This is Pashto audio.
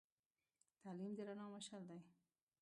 تعلیم د رڼا مشعل دی.